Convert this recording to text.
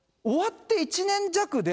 終わって１年弱で。